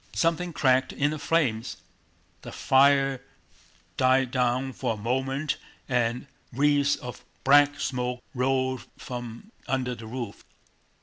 Something cracked in the flames. The fire died down for a moment and wreaths of black smoke rolled from under the roof.